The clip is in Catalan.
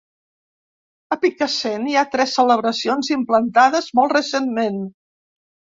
A Picassent hi ha tres celebracions implantades molt recentment.